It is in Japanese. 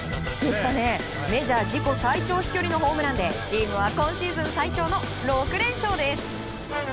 メジャー自己最長飛距離のホームランでチームは今シーズン最長の６連勝です。